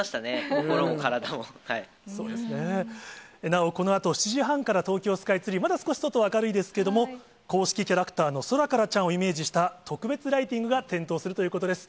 なおこのあと７時半から、東京スカイツリー、まだ少し外は明るいですけれども、公式キャラクターのソラカラちゃんをイメージした、特別ライティングが点灯するということです。